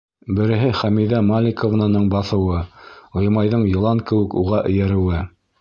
Береһе Хәмиҙә Маликовнаның баҫыуы, Ғимайҙың йылан кеүек уға эйәреүе.